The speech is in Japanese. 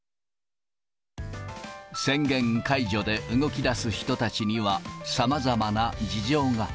宣言解除で動きだす人たちにはさまざまな事情が。